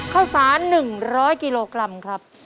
ข้าวสาร๑๐๐กิโลกรัมครับ